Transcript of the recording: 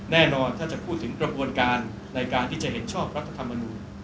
แน่นอนถ้าจะพูดถึงกระบวนการในการที่จะเห็นชอบรัฐธรรมนูล